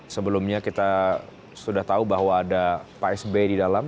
sebelumnya kita sudah tahu bahwa ada pak sby di dalam